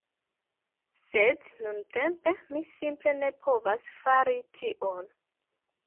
Sed nuntempe, mi simple ne povas fari tion